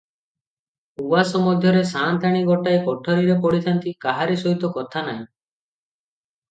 ଉଆସ ମଧ୍ୟରେ ସାଆନ୍ତାଣୀ ଗୋଟାଏ କୋଠରୀରେ ପଡ଼ିଥାନ୍ତି, କାହାରି ସହିତ କଥା ନାହିଁ ।